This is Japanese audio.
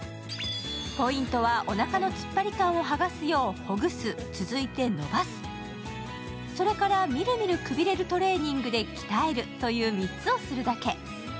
ポイントは、おなかのつっぱり感をはがすようほぐす、続いてのばす、それからみるみるくびれるトレーニングで鍛えるという３つをするだけ。